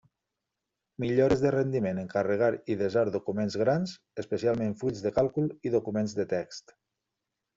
Millores de rendiment en carregar i desar documents grans, especialment fulls de càlcul i documents de text.